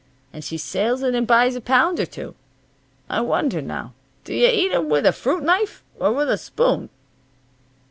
And she sails in and buys a pound or two. I wonder, now, do you eat 'em with a fruit knife, or with a spoon?"